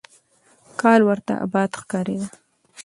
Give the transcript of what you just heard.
کال ورته آباد ښکارېده.